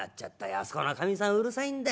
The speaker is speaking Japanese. あそこのかみさんうるさいんだ。